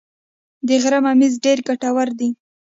د غره ممیز ډیر ګټور دي